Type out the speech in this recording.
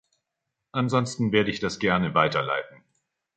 Ansonsten werde ich das gerne weiterleiten.